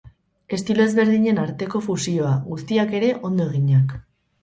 Estilo ezberdinen arteko fusioa, guztiak ere ondo eginak.